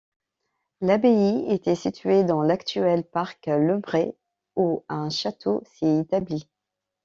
L'abbaye était située dans l'actuel parc Lebret, au un château s'y établit.